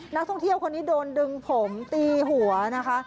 นักท่องเที่ยวคนนี้โดนดึงผมตีหัวนะคะ